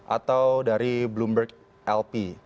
atau dari bloomberg lp